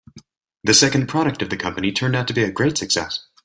The second product of the company turned out to be a great success.